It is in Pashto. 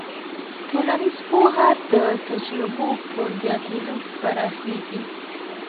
ټولنیز پوهه د تجربو په زیاتېدو پراخېږي.